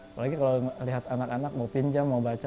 apalagi kalau lihat anak anak mau pinjam mau baca